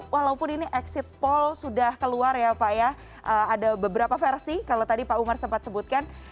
walaupun ini exit poll sudah keluar ya pak ya ada beberapa versi kalau tadi pak umar sempat sebutkan